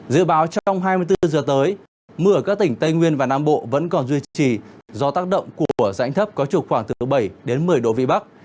dự báo trong hai mươi bốn giờ tới mưa ở các tỉnh tây nguyên và nam bộ vẫn còn duy trì do tác động của rãnh thấp có trục khoảng từ bảy đến một mươi độ vị bắc